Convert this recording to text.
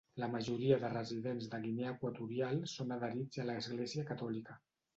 La majoria dels residents de Guinea Equatorial són adherits a l'Església Catòlica.